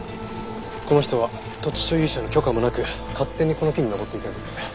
この人は土地所有者の許可もなく勝手にこの木に登っていたようです。